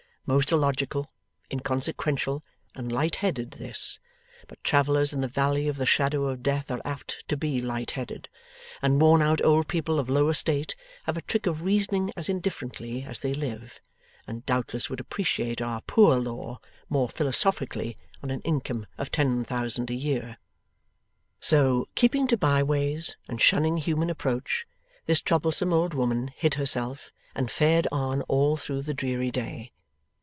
Most illogical, inconsequential, and light headed, this; but travellers in the valley of the shadow of death are apt to be light headed; and worn out old people of low estate have a trick of reasoning as indifferently as they live, and doubtless would appreciate our Poor Law more philosophically on an income of ten thousand a year. So, keeping to byways, and shunning human approach, this troublesome old woman hid herself, and fared on all through the dreary day.